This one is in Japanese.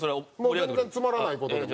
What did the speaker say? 全然つまらない事でも。